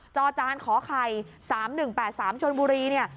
จอจานขอไข่๓๑๘๓ชนบุรีเนี่ย